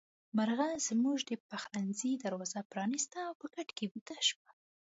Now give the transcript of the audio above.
مرغۍ زموږ د پخلنځي دروازه پرانيسته او په کټ کې ويده شوه.